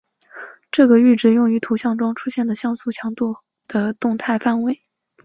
这个阈值用于图像中出现的像素强度的动态范围。